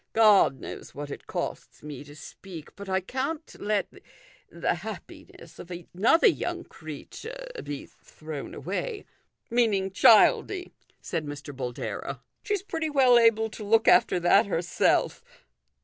Grod knows what it costs me to speak, but I can't let the happi ness of another young creature be thrown away." " Meaning Childie," said Mr. Boldero. " She's pretty well able to look after that herself.